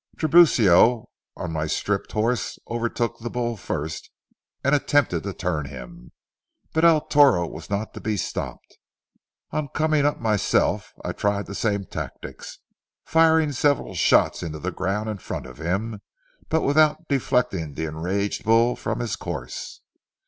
Tiburcio, on my stripped horse, overtook the bull first, and attempted to turn him, but El Toro was not to be stopped. On coming up myself, I tried the same tactics, firing several shots into the ground in front of him but without deflecting the enraged bull from his course.